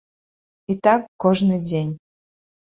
І так кожны дзень.